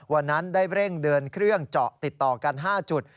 วันนั้นได้เร่งเดินเครื่องเจาะติดต่อกัน๕จุด